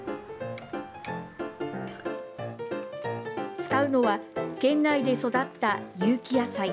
使うのは、県内で育った有機野菜。